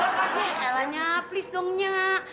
yah lah nyak please dong nyak